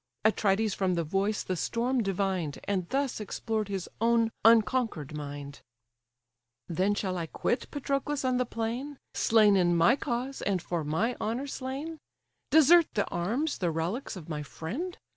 Atrides from the voice the storm divined, And thus explored his own unconquer'd mind: "Then shall I quit Patroclus on the plain, Slain in my cause, and for my honour slain! Desert the arms, the relics, of my friend?